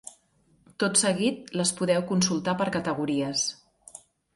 Tot seguit les podeu consultar per categories.